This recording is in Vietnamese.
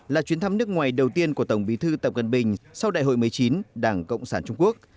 là chuyến thăm nước ngoài đầu tiên của tổng bí thư tập cận bình sau đại hội một mươi chín đảng cộng sản trung quốc